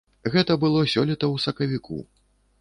Гэтак было сёлета ў сакавіку.